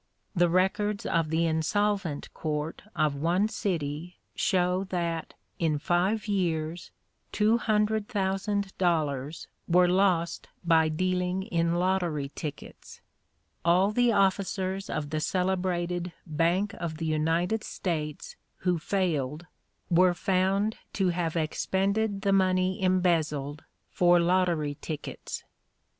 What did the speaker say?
The records of the Insolvent Court of one city show that, in five years, two hundred thousand dollars were lost by dealing in lottery tickets. All the officers of the celebrated Bank of the United States who failed were found to have expended the money embezzled for lottery tickets.